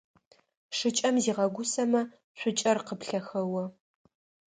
Шыкӏэм зигъэгусэмэ цукӏэр къыплъэхэо.